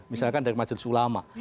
misalkan dari majelis ulama